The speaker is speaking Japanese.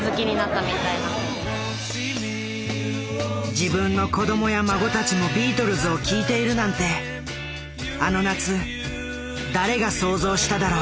自分の子供や孫たちもビートルズを聴いているなんてあの夏誰が想像しただろう。